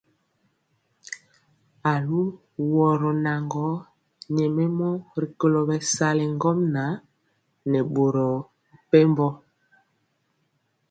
Aluworo naŋgɔ nyɛmemɔ rikolo bɛsali ŋgomnaŋ nɛ boro mepempɔ.